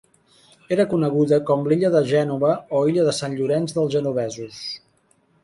Era coneguda com l'illa de Gènova o illa de Sant Llorenç dels Genovesos.